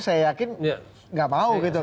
saya yakin nggak mau gitu